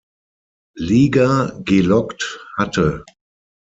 Liga gelockt hatte.